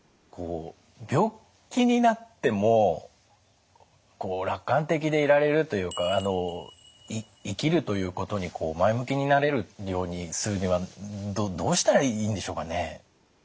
病気になっても楽観的でいられるというか生きるということに前向きになれるようにするにはどうしたらいいんでしょうかね？